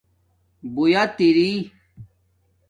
ُُبوُیت اری